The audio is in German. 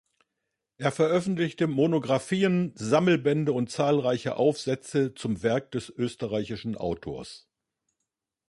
Er veröffentlichte Monographien, Sammelbände und zahlreiche Aufsätze zum Werk des österreichischen Autors.